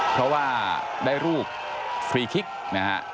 เพราะว่าได้รูปฟรีคิกนะฮะ